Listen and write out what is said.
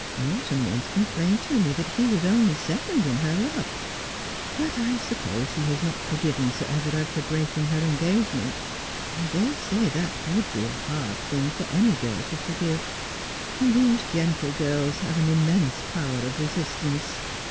'Morton once complained to me that he was only second in her love. But I suppose she has not forgiven Sir Everard for breaking her engagement. I dare say that would be a hard thing for any girl to forgive ; and these gentle girls have an immense power of resistance.